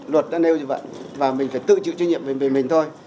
luật đã nêu như vậy và mình phải tự chịu trách nhiệm về mình thôi